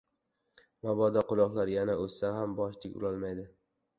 • Mabodo quloqlar yana o‘ssa ham, boshdek bo‘lolmaydi.